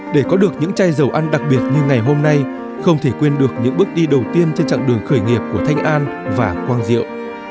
để có được những chai dầu ăn đặc biệt như ngày hôm nay không thể quên được những bước đi đầu tiên trên chặng đường khởi nghiệp của thanh an và quang diệu